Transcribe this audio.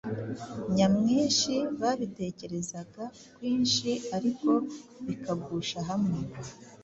nyamwinshi, babitekerezaga kwinshi ariko bikagusha hamwe